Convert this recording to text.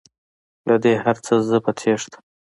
له دې هرڅه زه په تیښته